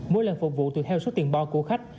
mỗi lần phục vụ tùy theo số tiền bo của khách